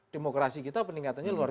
demokrasi kita peningkatannya luar